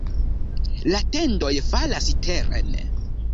La tendoj falas teren.